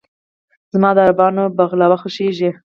زما د عربانو "بغلاوه" خوښېږي.